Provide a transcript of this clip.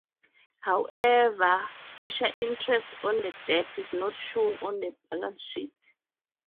However, future interest on the debt is not shown on the balance sheet.